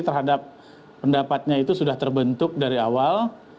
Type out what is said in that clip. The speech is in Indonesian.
terhadap pendapatnya itu sudah terbentuk dari awal